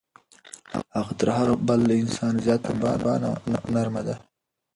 هغه تر هر بل انسان زیاته مهربانه او نرمه ده.